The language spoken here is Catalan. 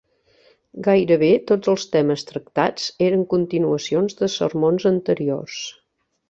Gairebé tots els temes tractats eren continuacions de sermons anteriors.